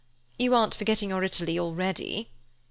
you aren't forgetting your Italy already?"